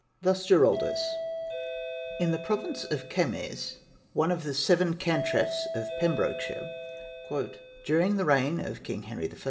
Thus Giraldus: In the province of Kemeys, one of the seven cantrefs of Pembrokeshire, 'during the reign of King Henry I.